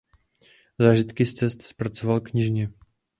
Zážitky z cest zpracoval knižně.